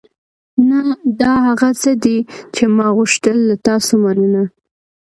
نه، دا هغه څه دي چې ما غوښتل. له تاسو مننه.